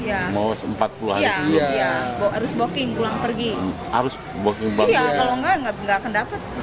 ya mau sempat pulang ya harus booking pulang pergi harus booking kalau nggak nggak akan dapat